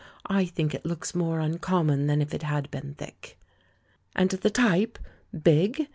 I think it looks more un common than if it had been thick." "And the type — big?